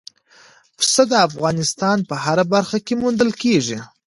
پسه د افغانستان په هره برخه کې موندل کېږي.